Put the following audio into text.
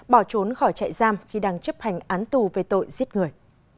bỏ trốn khỏi trại giam khi đang chấp hành án tù về tội giết người